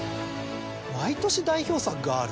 毎年代表作がある。